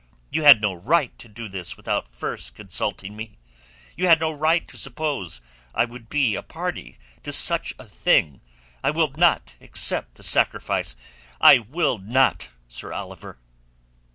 You had no right to do this without first consulting me. You had no right to suppose I would be a party to such a thing. I will not accept the sacrifice. I will not, Sir Oliver."